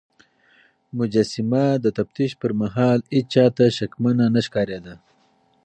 مجسمه د تفتيش پر مهال هيڅ چا ته شکمنه نه ښکارېده.